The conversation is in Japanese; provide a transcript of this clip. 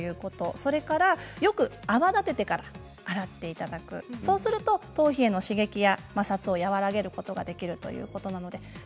それからシャンプーをよく泡立ててから洗っていただくそうすると頭皮への刺激や摩擦を和らげることができそうです。